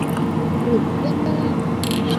กลุ่มเพื่อนบ้าน